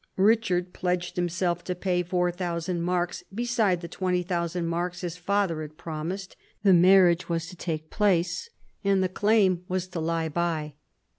Richard pledged himself to pay four thousand marks besides the twenty thousand his father had promised ; the marriage was to take place, and the claim was to lie by.